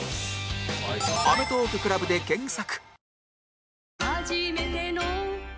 「アメトーーク ＣＬＵＢ」で検索